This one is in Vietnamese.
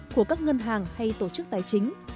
của các ngân hàng hay tổ chức tài chính